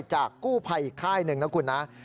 จากกู้ภัยอีกค่ายหนึ่งนะคุณนะ